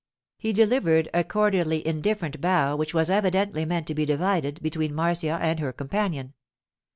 He delivered a cordially indifferent bow which was evidently meant to be divided between Marcia and her companion.